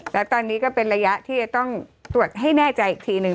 แล้วตอนนี้ก็เป็นระยะที่จะต้องตรวจให้แน่ใจอีกทีหนึ่ง